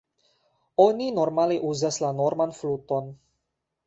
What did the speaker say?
Oni normale uzas la norman fluton.